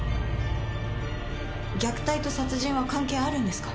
虐待と殺人は関係あるんですか。